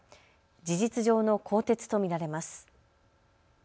事実上の更迭と見られます。